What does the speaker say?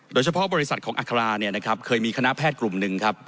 โดยเฉพาะบริษัทของอัคราเนี่ยนะครับ